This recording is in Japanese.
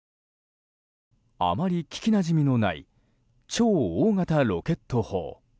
あまり聞き馴染みのない超大型ロケット砲。